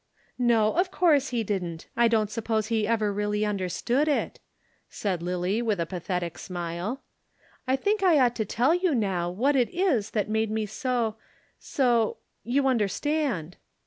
"No, of course he didn't. I don't suppose he ever really understood it," said Lillie with a pathetic smile. "I think I ought to tell you now what it was that made me so so you understand."